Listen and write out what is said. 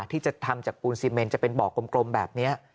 ที่จะทำจากปูนซีเมนจะเป็นบ่อกลมแบบนี้